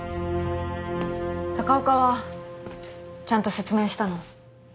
高岡はちゃんと説明したの？